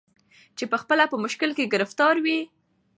چي پخپله په مشکل کي ګرفتار وي